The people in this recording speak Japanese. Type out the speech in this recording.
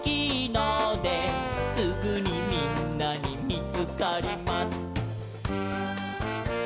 「すぐにみんなにみつかります」